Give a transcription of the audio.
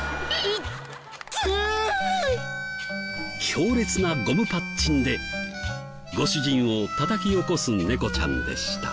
強烈なゴムパッチンでご主人をたたき起こす猫ちゃんでした。